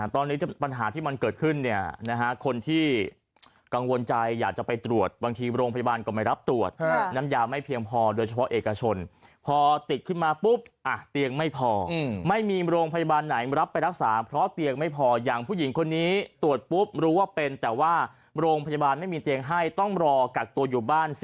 ตอนนี้ปัญหาที่มันเกิดขึ้นเนี่ยนะฮะคนที่กังวลใจอยากจะไปตรวจบางทีโรงพยาบาลก็ไม่รับตรวจน้ำยาไม่เพียงพอโดยเฉพาะเอกชนพอติดขึ้นมาปุ๊บเตียงไม่พอไม่มีโรงพยาบาลไหนรับไปรักษาเพราะเตียงไม่พออย่างผู้หญิงคนนี้ตรวจปุ๊บรู้ว่าเป็นแต่ว่าโรงพยาบาลไม่มีเตียงให้ต้องรอกักตัวอยู่บ้าน